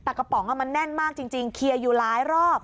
แต่กระป๋องมันแน่นมากจริงเคลียร์อยู่หลายรอบ